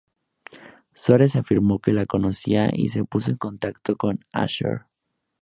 Suárez afirmó que la conocía y se puso en contacto con Asher.